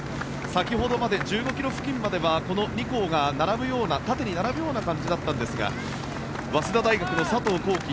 先ほどまで１５ｋｍ付近までは縦に並ぶような感じだったんですが早稲田大学の佐藤航希